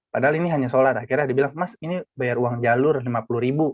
padahal ini hanya sholat akhirnya dibilang mas ini bayar uang jalur rp lima puluh ribu